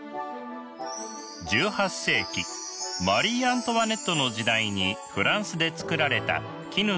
１８世紀マリー・アントワネットの時代にフランスで作られた絹のドレス。